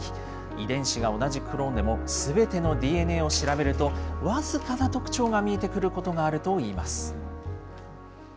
遺伝子が同じクローンでも、すべてのＤＮＡを調べると、僅かな特徴が見えてくることがあるといいます。